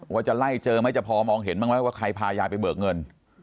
ว่าจะไล่เจอไหมจะพอมองเห็นบ้างไหมว่าใครพายายไปเบิกเงิน